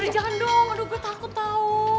jangan dong aduh gue takut tau